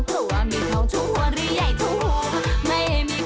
ก่อนที่พ่อหมอรัฐจะทำรายการไม่ได้